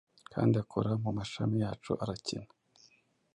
Kandi akora mumashami yacu arakina.